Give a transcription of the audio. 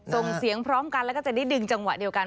ส่งเสียงพร้อมกันแล้วก็จะได้ดึงจังหวะเดียวกัน